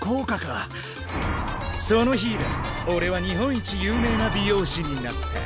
その日いらいおれは日本一有名な美容師になった。